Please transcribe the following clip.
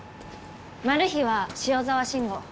マル被は塩沢慎吾。